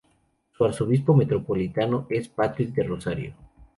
Su arzobispo metropolitano es Patrick D’Rozario.